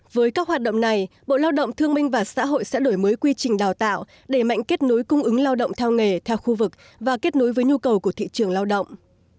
với các hoạt động này bộ lao động thương minh và xã hội sẽ đổi mới quy trình đào tạo đẩy mạnh kết nối cung ứng lao động theo nghề theo khu vực và kết nối với nhu cầu của thị trường lao động